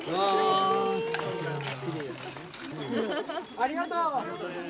ありがとう！